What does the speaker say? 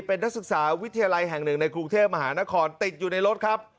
เป็นนักศึกษาวิทยาลัยแห่งหนึ่งในกรุงเทพมหานครติดอยู่ในรถครับ